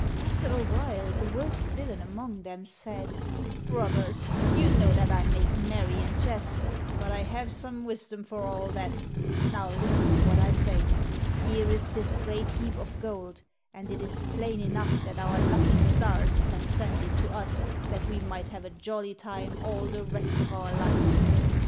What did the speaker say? After a while the worst villain among them said, " Brothers, you know that I make merry and jest, but I have some wisdom for all that. Now listen to what I say. Here is this great heap of gold, and it is plain enough that our lucky stars have sent it to us that we might have a jolly time all the rest of our lives.